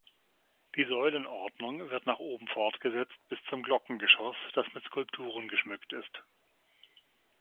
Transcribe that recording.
Die Säulenordnung wird nach oben fortgesetzt bis zum Glockengeschoss, das mit Skulpturen geschmückt ist.